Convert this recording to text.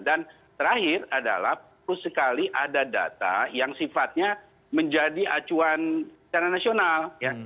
dan terakhir adalah pun sekali ada data yang sifatnya menjadi acuan secara nasional